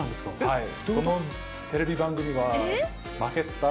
はい。